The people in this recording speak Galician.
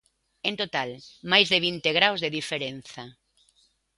En total, máis de vinte graos de diferenza.